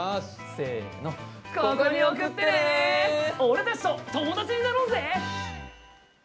俺たちと友達になろうぜ！